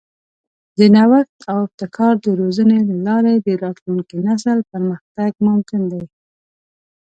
د نوښت او ابتکار د روزنې له لارې د راتلونکي نسل پرمختګ ممکن دی.